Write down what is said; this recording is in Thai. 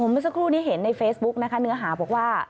เมื่อสักครู่นี้เห็นในเฟซบุ๊กนะคะเนื้อหาบอกว่า